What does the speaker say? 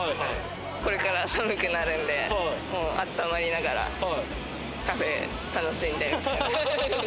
これから寒くなるので、あったまりながら、カフェ楽しんで。